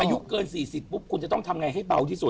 อายุเกิน๔๐ปุ๊บคุณจะต้องทำไงให้เบาที่สุด